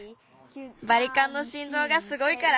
バリカンのしんどうがすごいから。